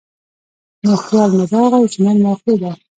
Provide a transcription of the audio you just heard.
نو خيال مې راغے چې نن موقع ده ـ